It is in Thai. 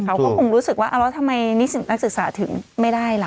เขาก็คงรู้สึกว่าแล้วทำไมนิสิตนักศึกษาถึงไม่ได้ล่ะ